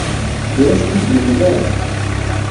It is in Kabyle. Ur as-t-id-yemla ara.